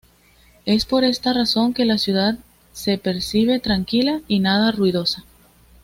Es por esta razón que la ciudad se percibe tranquila y nada ruidosa.